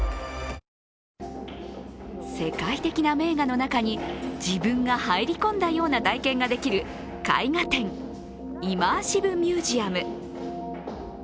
世界的な名画の中に自分が入り込んだような体験ができる絵画展イマーシブミュージアム。